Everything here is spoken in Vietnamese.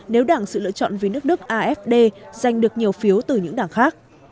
nếu đảng sự lựa chọn về nước đức afd giành được nhiều phiếu từ những đảng khác